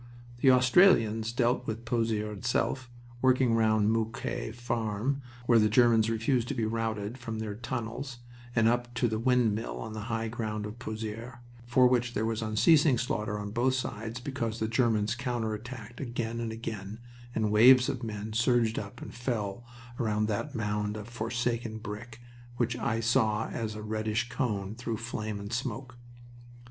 The Australians dealt with Pozieres itself, working round Moquet Farm, where the Germans refused to be routed from their tunnels, and up to the Windmill on the high ground of Pozieres, for which there was unceasing slaughter on both sides because the Germans counter attacked again and again, and waves of men surged up and fell around that mound of forsaken brick, which I saw as a reddish cone through flame and smoke.